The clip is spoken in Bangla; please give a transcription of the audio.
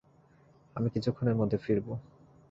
আমি কিছুক্ষণের মধ্যে ফিরবো।